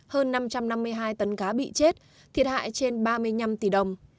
hơn năm trăm năm mươi hai tấn cá bị chết thiệt hại trên ba mươi năm tỷ đồng